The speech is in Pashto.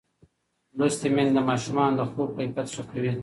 لوستې میندې د ماشومانو د خوب کیفیت ښه کوي.